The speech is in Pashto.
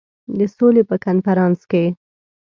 د سولي په کنفرانس کې.